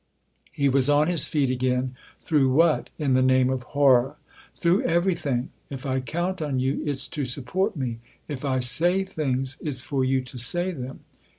He was on his feet again. " Through what, in the name of horror ?" "Through everything. If I count on you, it's to support me. If I say things, it's for you to say them."